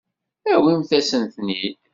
Awimt-asent-ten-id.